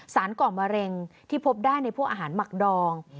กล่องมะเร็งที่พบได้ในพวกอาหารหมักดอง